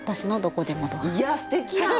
いやすてきやん！